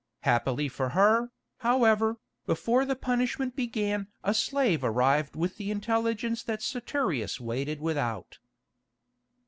Happily for her, however, before the punishment began a slave arrived with the intelligence that Saturius waited without.